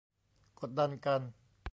กดดันกัน